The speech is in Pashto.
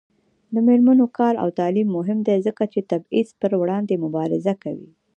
د میرمنو کار او تعلیم مهم دی ځکه چې تبعیض پر وړاندې مبارزه کوي.